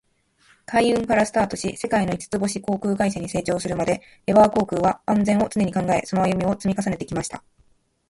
海運からスタートし、世界の五つ星航空会社に成長するまで、エバー航空は「安全」を常に考え、その歩みを積み重ねてきました。